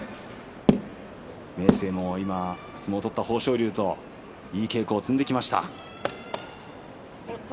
明生も今相撲を取った豊昇龍といい稽古を積んできました。